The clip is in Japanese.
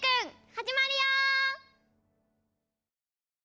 はじまるよ！